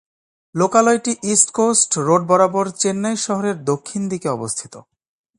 লোকালয়টি East Coast Road বরাবর চেন্নাই শহরের দক্ষিণ দিকে অবস্থিত।